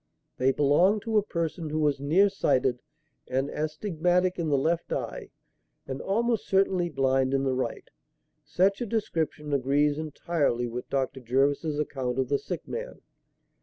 They belonged to a person who was near sighted and astigmatic in the left eye and almost certainly blind in the right. Such a description agrees entirely with Dr. Jervis's account of the sick man."